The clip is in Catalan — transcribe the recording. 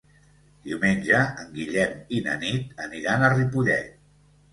Diumenge en Guillem i na Nit aniran a Ripollet.